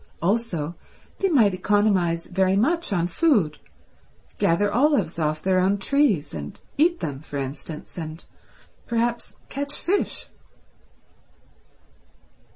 Also they might economise very much on food—gather olives off their own trees and eat them, for instance, and perhaps catch fish.